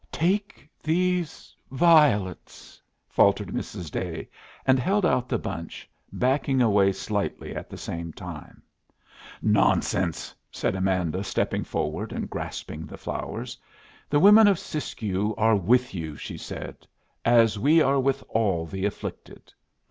"Take these violets," faltered Mrs. Day, and held out the bunch, backing away slightly at the same time. "Nonsense," said Amanda, stepping forward and grasping the flowers. "The women of Siskiyou are with you," she said, "as we are with all the afflicted."